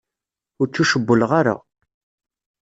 Ur ttucewwleɣ ara.